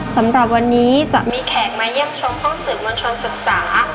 สำหรับวันนี้จะมีแขกมาเยี่ยมชมห้องสื่อมวลชนศึกษา